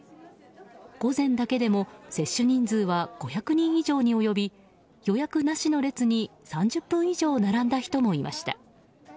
午前だけでも接種人数は５００人以上に及び予約なしの列に３０分以上並んだ人もいました。